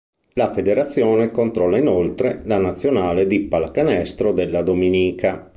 La federazione controlla inoltre la nazionale di pallacanestro della Dominica.